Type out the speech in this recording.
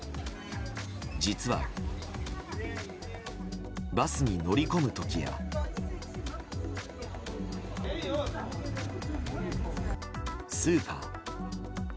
実は、バスに乗り込む時やスーパー。